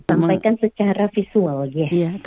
sampaikan secara visual ya